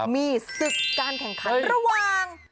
มีศึกการแข่งขันระหว่าง